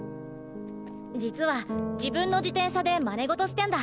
実は自分の自転車でマネごとしてんだ。